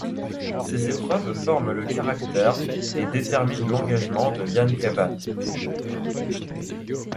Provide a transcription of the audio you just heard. Ces épreuves forment le caractère et déterminent l'engagement de Jan Kavan.